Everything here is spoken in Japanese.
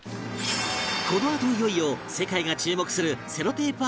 このあといよいよ世界が注目するセロテープ